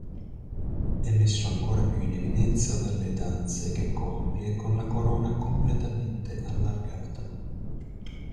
È messo ancora più in evidenza dalle danze che compie con la corona completamente allargata.